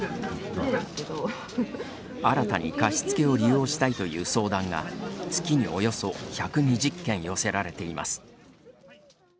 新たに貸付を利用したいという相談が月におよそ１２０件寄せられています。